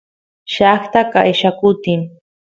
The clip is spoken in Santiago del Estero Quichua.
llaqta qaylla kutin